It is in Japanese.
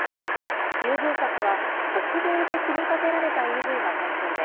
優遇策は北米で組み立てられたＥＶが対象で、